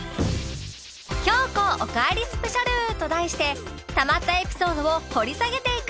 「京子おかえりスペシャル」と題してたまったエピソードを掘り下げていく